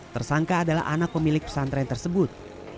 tersangka adalah anak pemilik pesantren tersebut